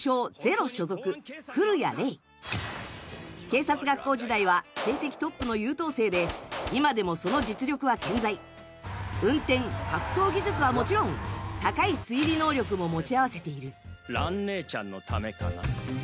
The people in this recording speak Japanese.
警察学校時代はで今でもその実力は健在運転格闘技術はもちろん高い推理能力も持ち合わせている蘭姉ちゃんのためかな？